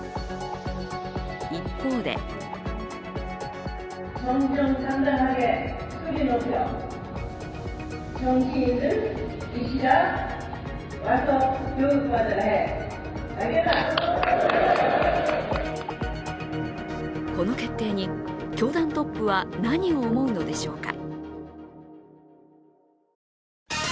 一方でこの決定に教団トップは何を思うのでしょうか。